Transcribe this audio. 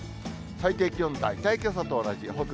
最低気温、大体けさと同じ。